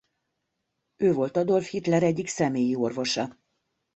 Ő volt Adolf Hitler egyik személyi orvosa.